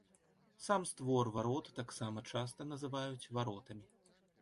Сам створ варот таксама часта называюць варотамі.